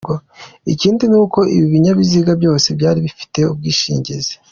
Ikindi ni uko ibi binyabiziga byose byari bifite ubwishingizi.